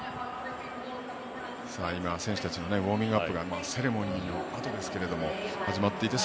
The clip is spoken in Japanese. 選手たちのウォーミングアップがセレモニーのあとから始まっています。